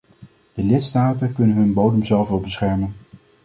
De lidstaten kunnen hun bodem zelf wel beschermen.